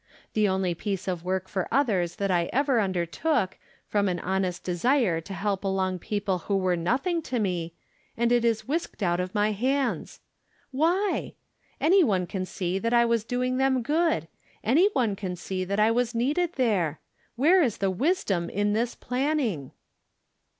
The only piece of work for others that I ever undertook, from an honest desire to help along people who were nothing to me, and it is whisked out of my hands. Why ? Any one can see that I was doing them good ; any one can see that I was needed there. Where is the wisdom in this planning